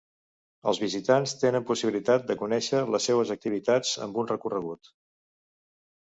Els visitants tenen possibilitat de conéixer les seues activitats amb un recorregut.